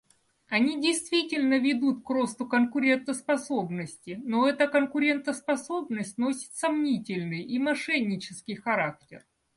Они действительно ведут к росту конкурентоспособности, но эта конкурентоспособность носит сомнительный и мошеннический характер.